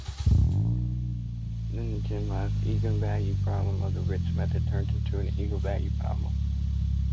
Then the generalised eigenvalue problem of the Ritz method turns into an eigenvalue problem.